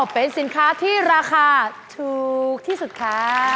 เป็นสินค้าที่ราคาถูกที่สุดค่ะ